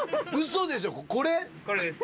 これです